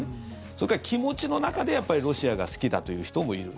それから気持ちの中でロシアが好きだという人もいる。